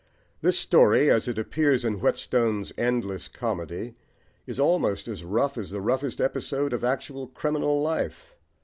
This story, as it appears in Whetstone's endless comedy, is almost as rough as the roughest episode of actual criminal life.